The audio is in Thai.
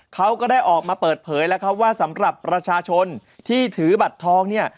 เขาก็ได้ออกมาเปิดเผยแล้วครับว่าสำหรับประชาชนที่ถือบัตรทองเนี่ย